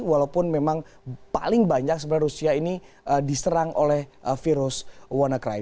walaupun memang paling banyak sebenarnya rusia ini diserang oleh virus wannacry